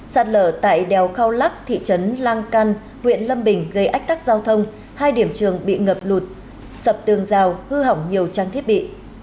sạt lở tại đèo khao lác thị trấn lang căn huyện lâm bình gây ách tắc giao thông hai điểm trường bị ngập lụt sập tường rào hư hỏng nhiều trang thiết bị